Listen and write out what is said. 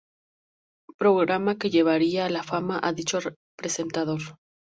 Programa que llevaría a la fama a dicho presentador.